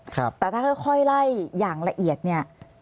แต่ถ้าค่อยไล่อย่างละเอียดเนี่ย